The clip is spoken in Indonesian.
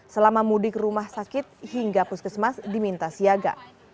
selama mudik rumah sakit hingga puskesmas diminta siaga